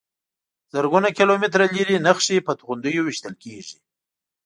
زرګونه کیلومتره لرې نښې په توغندیو ویشتل کېږي.